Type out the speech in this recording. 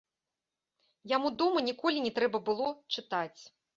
Яму дома ніколі не трэба было чытаць.